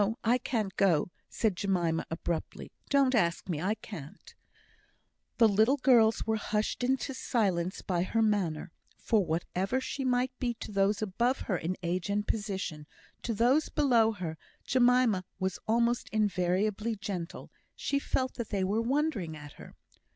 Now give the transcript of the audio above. I can't go!" said Jemima, abruptly. "Don't ask me I can't." The little girls were hushed into silence by her manner; for whatever she might be to those above her in age and position, to those below her Jemima was almost invariably gentle. She felt that they were wondering at her.